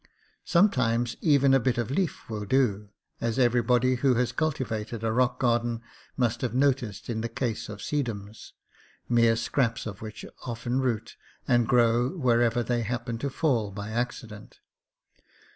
Sometimes even a bit of a leaf will do, as everybody who has culti vated a rock garden must have noticed in the case of sedums, mere scraps of which often root and grow wherever they happen to fall by accident.